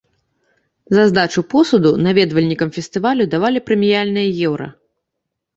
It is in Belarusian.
За здачу посуду наведвальнікам фестывалю давалі прэміяльныя еўра.